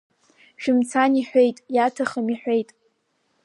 Шәымцан, — иҳәеит, иаҭахым, — иҳәеит…